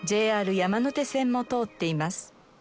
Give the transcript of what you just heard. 山手線も通っています。